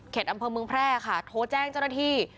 อำเภอเมืองแพร่ค่ะโทรแจ้งเจ้าหน้าที่